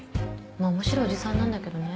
まあ面白いおじさんなんだけどね。